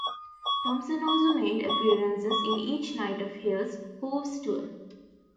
Thompson also made appearances in each night of Hill's "Hooves" tour.